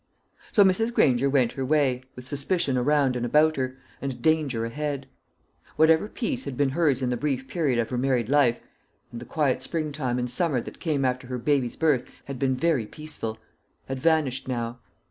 So Mrs. Granger went her way, with suspicion around and about her, and danger ahead. Whatever peace had been hers in the brief period of her married life and the quiet spring time and summer that came after her baby's birth had been very peaceful had vanished now.